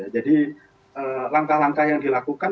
jadi langkah langkah yang dilakukan